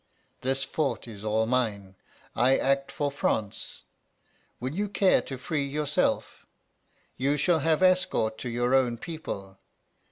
This fort is all mine: I act for France. Will you care to free yourself? You shall have escort to your own people.